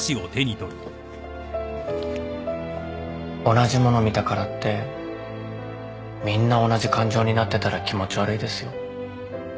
同じもの見たからってみんな同じ感情になってたら気持ち悪いですよ。